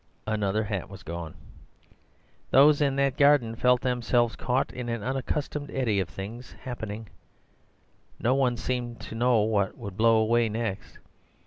Another hat was gone. Those in that garden felt themselves caught in an unaccustomed eddy of things happening; no one seemed to know what would blow away next.